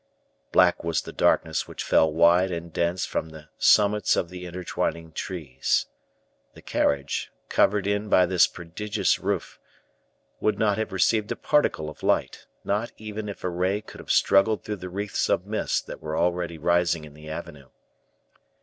Black was the darkness which fell wide and dense from the summits of the intertwining trees. The carriage, covered in by this prodigious roof, would not have received a particle of light, not even if a ray could have struggled through the wreaths of mist that were already rising in the avenue.